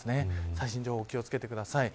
最新情報、気を付けてください。